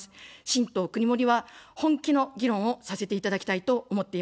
新党くにもりは、本気の議論をさせていただきたいと思っています。